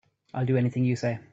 I'll do anything you say.